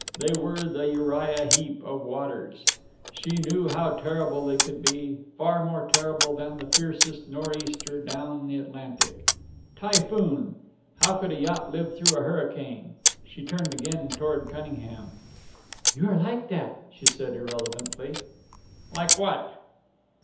They were the Uriah Heep of waters. She knew how terrible they could be, far more terrible than the fiercest nor'easter down the Atlantic. Typhoon! How could a yacht live through a hurricane? She turned again toward Cunningham. "You are like that," she said, irrelevantly. "Like what?"